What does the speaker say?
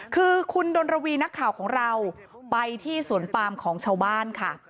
คือคุณดนรวีนักข่าวของเราไปที่สวนปามของชาวบ้านค่ะ